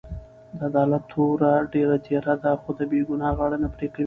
د عدالت توره ډېره تېره ده؛ خو د بې ګناه غاړه نه پرې کوي.